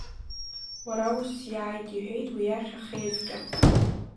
Уара усиааиит, – иҳәеит уи иахь Ахеивҟьа.